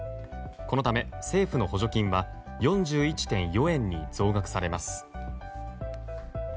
このため、政府の補助金は４１．４円に増額されます。